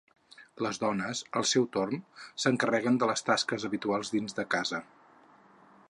Les dones, al seu torn, s'encarreguen de les tasques habituals dins de casa.